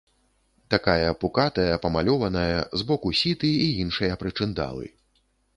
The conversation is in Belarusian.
Такая пукатая, памалёваная, з боку сіты і іншыя прычындалы.